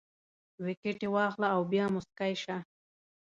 ویکټې واخله او بیا موسکی شه